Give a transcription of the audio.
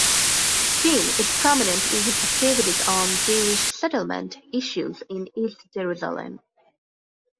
King is prominent in his activities on Jewish settlement issues in East Jerusalem.